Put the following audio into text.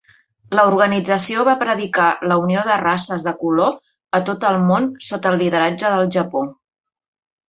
La organització va predicar la unió de races de color a tot el món sota el lideratge del Japó.